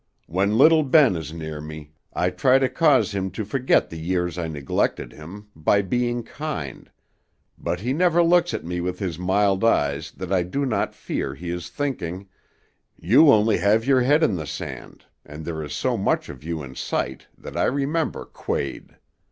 When little Ben is near me, I try to cause him to forget the years I neglected him, by being kind, but he never looks at me with his mild eyes that I do not fear he is thinking: You only have your head in the sand, and there is so much of you in sight that I remember Quade.